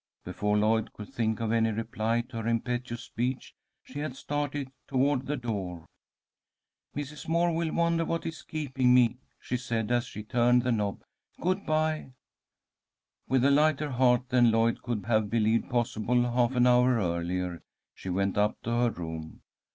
Before Lloyd could think of any reply to her impetuous speech, she had started toward the door. "Mrs. Moore will wonder what is keeping me," she said, as she turned the knob. "Good bye!" With a lighter heart than Lloyd could have believed possible half an hour earlier, she went up to her room.